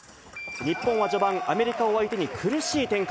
日本は序盤、アメリカを相手に苦しい展開。